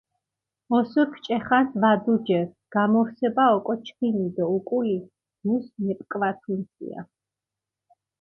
ოსურქ ჭე ხანს ვადუჯერ, გამორსება ოკო ჩქიმი დო უკული დუს მეპკვათუნსია.